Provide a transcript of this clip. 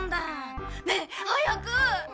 ねえ早く！